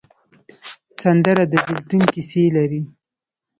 سندره د بېلتون کیسې لري